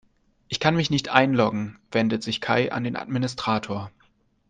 "Ich kann mich nicht einloggen", wendet sich Kai an den Administrator.